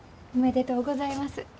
おめでとうございます。